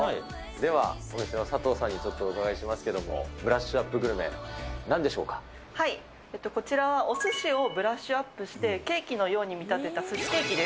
では、お店の佐藤さんにちょっとお伺いしますけれども、ブラッシュアップグルメ、なんでこちらはおすしをブラッシュアップしてケーキのように見立てた、すしケーキです。